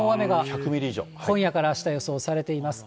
今夜からあした、予想されています。